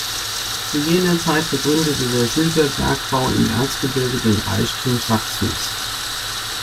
Zu jener Zeit begründete der Silberbergbau im Erzgebirge den Reichtum Sachsens.